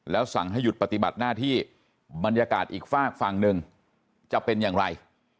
สั่งให้หยุดปฏิบัติหน้าที่บรรยากาศอีกฝากฝั่งหนึ่งจะเป็นอย่างไร